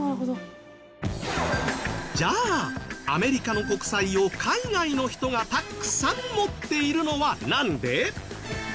じゃあアメリカの国債を海外の人がたくさん持っているのはなんで？